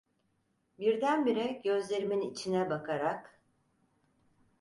Birdenbire gözlerimin içine bakarak: